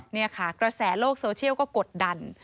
นี่ค่ะกระแสโลกโซเชียลก็กดดัน